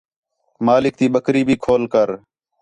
مالک تی بکری بھی کھول کر